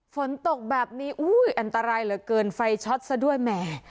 ฝนตกแบบนี้อุ้ยอันตรายเหลือเกินไฟช็อตซะด้วยแหม